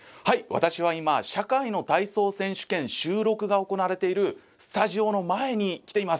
私は今「社会の体操選手権」収録が行われているスタジオの前に来ています。